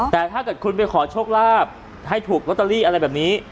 แต่ถ้าเกิดคุณไปขอโชคลาภให้ถูกลอตเตอรี่อะไรแบบนี้